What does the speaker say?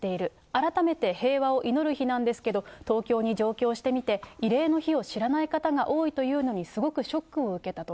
改めて平和を祈る日なんですけど、東京に上京してみて、慰霊の日を知らない方が多いというのにすごくショックを受けたと。